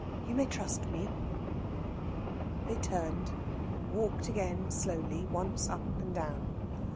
You may trust me." They turned and walked again slowly, once up and down.